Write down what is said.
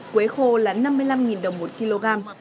quế khô là năm mươi năm đồng một kg